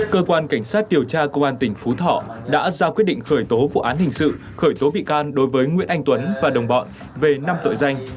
cơ quan cảnh sát điều tra công an tỉnh phú thọ đã ra quyết định khởi tố vụ án hình sự khởi tố bị can đối với nguyễn anh tuấn và đồng bọn về năm tội danh